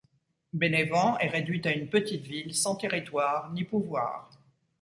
Bénévent est réduite à une petite ville sans territoire ni pouvoir.